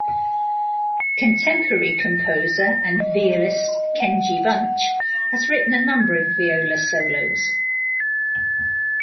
Contemporary composer and violist Kenji Bunch has written a number of viola solos.